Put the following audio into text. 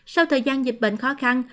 sau thời gian dịch bệnh khó khăn